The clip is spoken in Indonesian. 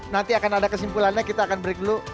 nanti akan ada kesimpulannya kita akan break dulu